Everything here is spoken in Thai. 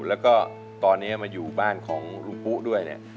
แล้วก็ตอนนี้มาอยู่บ้านของลุงปุ๊ด้วยเนี่ย